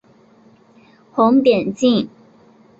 红点镜。